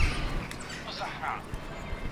ننني ياران هم نه ســره خـــنديږي